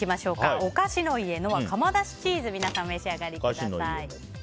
おかしの家ノアの窯だしチーズを皆さん、お召し上がりください。